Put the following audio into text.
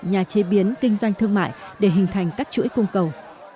nhà chế biến kinh doanh thương mại để hình thành các chuỗi cung cầu